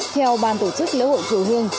theo ban tổ chức lễ hội chùa hương